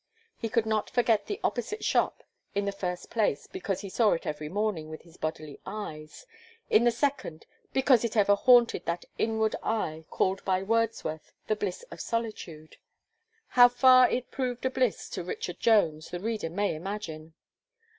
He could not forget the opposite shop; in the first place, because he saw it every morning with his bodily eyes; in the second, because it ever haunted that inward eye called by Wordsworth 'the bliss of solitude.' How far it proved a bliss to Richard Jones, the reader may imagine.